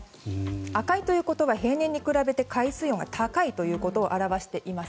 赤いということは平年に比べて海水温が高いということを表しています。